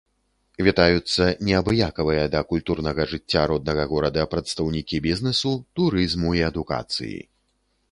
Вітаюцца неабыякавыя да культурнага жыцця роднага горада прадстаўнікі бізнэсу, турызму і адукацыі.